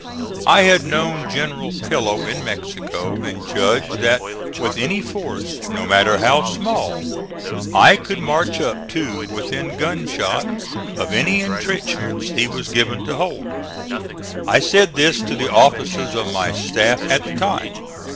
I had known General Pillow in Mexico, and judged that with any force, no matter how small, I could march up to within gunshot of any intrenchments he was given to hold. I said this to the officers of my staff at the time.